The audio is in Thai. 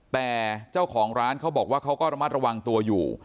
แต่เจ้าของร้านเขาบอกว่าเขาก็ระมัดระวังตัวอยู่